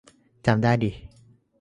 จำได้ดิ